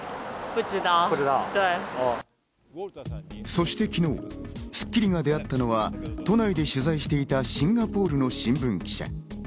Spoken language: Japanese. そして昨日、『スッキリ』が出会ったのは都内で取材していたシンガポールの新聞記者。